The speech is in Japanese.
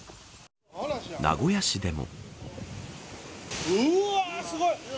名古屋市でも。